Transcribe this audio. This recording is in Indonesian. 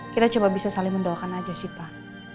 kita coba bisa saling mendoakan aja sih pak